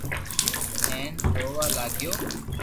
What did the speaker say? ھين رووا لاگيو